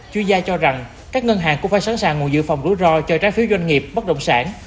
chuyên gia cho rằng các ngân hàng cũng phải sẵn sàng nguồn dự phòng rủi ro cho trái phiếu doanh nghiệp bất động sản